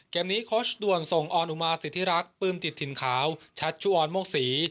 นี้โค้ชด่วนส่งออนอุมาสิทธิรักษ์ปื้มจิตถิ่นขาวชัชชุออนโมกศรี